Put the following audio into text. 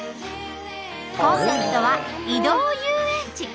コンセプトは「移動遊園地」。